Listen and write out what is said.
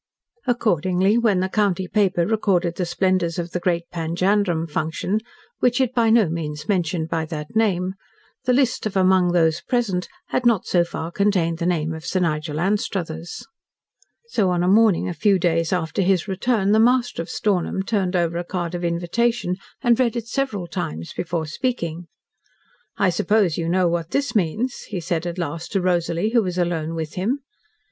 Accordingly, when the county paper recorded the splendours of The Great Panjandrum Function which it by no means mentioned by that name the list of "Among those present" had not so far contained the name of Sir Nigel Anstruthers. So, on a morning a few days after his return, the master of Stornham turned over a card of invitation and read it several times before speaking. "I suppose you know what this means," he said at last to Rosalie, who was alone with him.